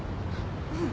うん。